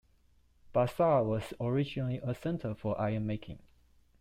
Bassar was originally a centre for iron making.